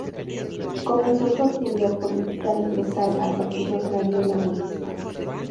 Comenzó su actividad política al ingresar al Partido Agrario Laborista.